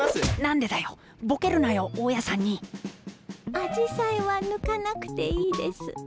アジサイは抜かなくていいです。